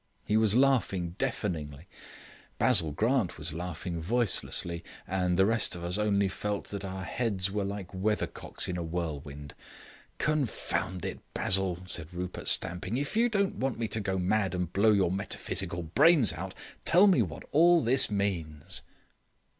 He was laughing deafeningly; Basil Grant was laughing voicelessly; and the rest of us only felt that our heads were like weathercocks in a whirlwind. "Confound it, Basil," said Rupert, stamping. "If you don't want me to go mad and blow your metaphysical brains out, tell me what all this means."